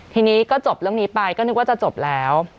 ทีนี้ก็จบเรื่องนี้ไปก็นึกว่าจะจบแล้ว